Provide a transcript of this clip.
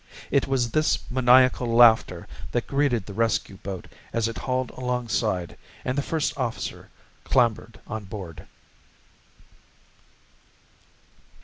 It was this maniacal laughter that greeted the rescue boat as it hauled alongside and the first officer clambered on board.